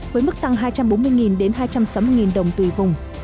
với mức tăng hai trăm bốn mươi đến hai trăm sáu mươi đồng tùy vùng